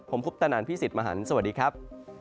ผมคุปตนันพี่สิทธิ์มหันฯสวัสดีครับ